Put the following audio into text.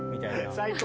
最高。